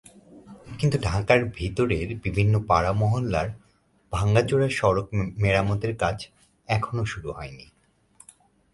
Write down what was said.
কিন্তু ঢাকার ভেতরের বিভিন্ন পাড়া–মহল্লার ভাঙাচোরা সড়ক মেরামতের কাজ এখনো শুরু হয়নি।